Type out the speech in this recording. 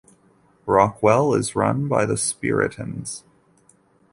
Rockwell is run by the Spiritans.